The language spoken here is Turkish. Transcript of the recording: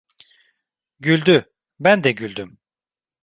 Güldü, ben de güldüm…